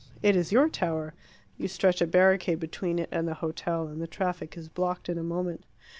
It is your tower: you stretch a barricade between it and the hotel, and the traffic is blocked in a moment.